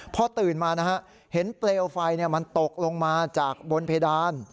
พอตื่นมานะฮะเห็นเปลวไฟมันตกลงมาจากบนเพดาน